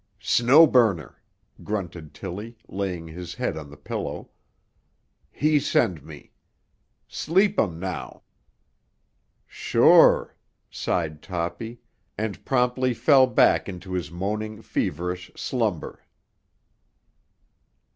"Snow Burner," grunted Tilly, laying his head on the pillow. "He send me. Sleep um now." "Sure," sighed Toppy, and promptly fell back into his moaning, feverish slumber.